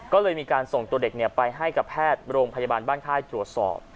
ก็เลยมีการส่งตัวเด็กไปให้กับแพทย์โรงพยาบาลบ้านค่ายตรวจสอบ